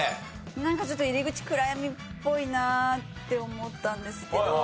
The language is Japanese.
なんかちょっと入り口くらやみっぽいなって思ったんですけど。